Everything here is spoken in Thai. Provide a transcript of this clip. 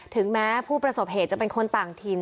ถึงแม้ผู้ประสบเหตุจะเป็นคนต่างถิ่น